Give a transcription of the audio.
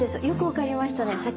よく分かりましたね。